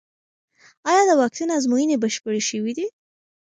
ایا د واکسین ازموینې بشپړې شوې دي؟